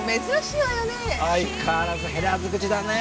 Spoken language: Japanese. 相変わらず減らず口だねえ。